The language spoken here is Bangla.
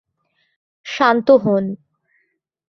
শান্ত হন।